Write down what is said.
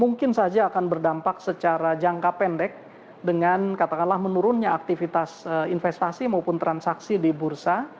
mungkin saja akan berdampak secara jangka pendek dengan katakanlah menurunnya aktivitas investasi maupun transaksi di bursa